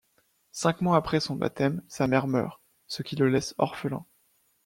Cinq mois après son baptême, sa mère meurt, ce qui le laisse orphelin.